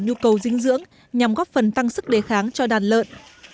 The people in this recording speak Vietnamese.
nhu cầu dinh dưỡng nhằm góp phần tăng sức đề kháng cho đàn lợn